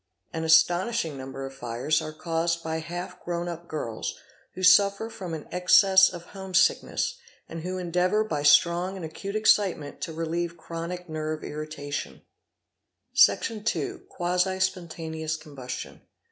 An astonishing number of fires are caused by half grown up girls who suffer from an excess of home sickness, and who endeavour by strong and acute excitement to relieve chronic nerve irritation 4, Section ii.—Quasi Spontaneous Combustion.